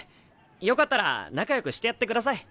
よかったら仲よくしてやってください。